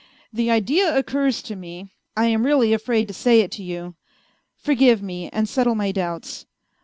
" The idea occurs to me ; I am really afraid to say it to you. ... Forgive me, and settle my doubts.